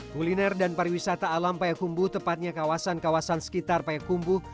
kuliner dan pariwisata alam payakumbu tepatnya kawasan kawasan sekitar payakumbuh